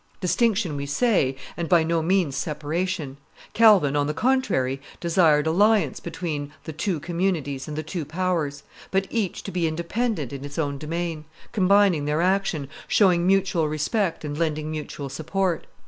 Distinction we say, and by no means separation; Calvin, on the contrary, desired alliance between the two communities and the two powers, but each to be independent in its own domain, combining their action, showing mutual respect and lending mutual support.